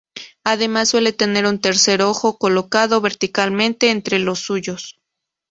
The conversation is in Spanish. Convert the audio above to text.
Además, suele tener un tercer ojo colocado verticalmente entre los suyos.